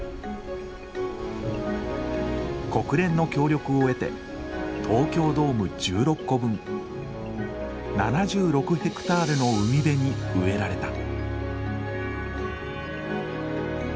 国連の協力を得て東京ドーム１６個分７６ヘクタールの海辺に植えられた。